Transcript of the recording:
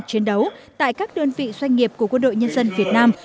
chiến đấu tại các đơn vị doanh nghiệp của quân đội nhân dân việt nam